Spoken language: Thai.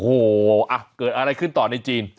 โอ้โหเกิดอะไรขึ้นต่อในจีน